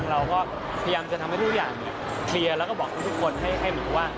เราก็พยายามจะทำให้ทุกอย่างเคลียร์แล้วก็บอกทุกคนให้เหมือนกับว่า